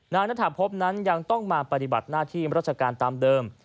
ณฐาพบนั้นยังต้องมาปฏิบัติหน้าที่ราชการตามเดิม